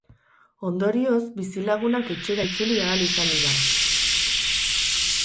Ondorioz, bizilagunak etxera itzuli ahal izan dira.